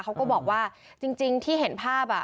เขาก็บอกว่าจริงที่เห็นภาพ